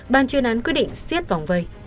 ban chuyên án quyết định xiết vòng vây